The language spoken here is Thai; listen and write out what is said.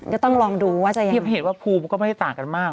ก็ต้องลองดูว่าจะเห็นว่าภูมิก็ไม่ได้ต่างกันมาก